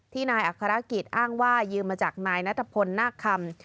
ที่นายอัศลากิจอ้างว่ายืมมาจากนายนตรภนหน้าคำ